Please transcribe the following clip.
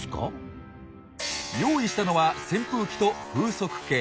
用意したのは扇風機と風速計。